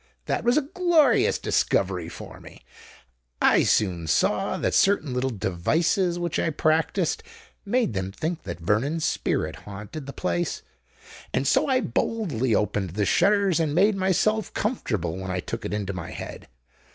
That was a glorious discovery for me: I soon saw that certain little devices which I practised made them think that Vernon's spirit haunted the place—and so I boldly opened the shutters and made myself comfortable, when I took it into my head.